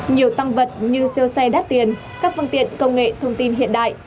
nhiều tăng vật như siêu xe đắt tiền các phương tiện công nghệ thông tin hiện đại